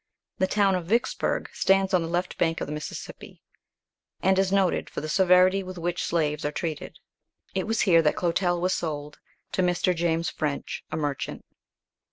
The town of Vicksburgh stands on the left bank of the Mississippi, and is noted for the severity with which slaves are treated. It was here that Clotel was sold to Mr. James French, a merchant.